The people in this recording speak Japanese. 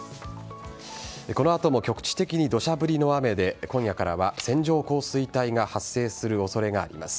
この後も局地的に土砂降りの雨で今夜からは線状降水帯が発生する恐れがあります。